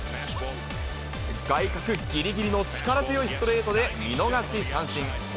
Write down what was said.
外角ぎりぎりの力強いストレートで見逃し三振。